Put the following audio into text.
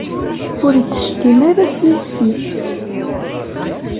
Ur ittcettim ara s yiles-is.